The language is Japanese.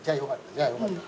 じゃあよかった。